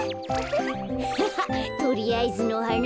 ハハとりあえずのはな。